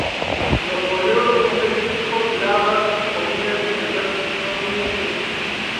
Los foliolos son elípticos, glabras, con un nervio central prominente.